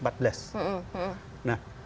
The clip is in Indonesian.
apa yang harus kita lakukan